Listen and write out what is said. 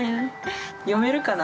読めるかな？